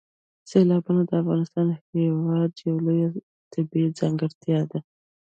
سیلابونه د افغانستان هېواد یوه لویه طبیعي ځانګړتیا ده.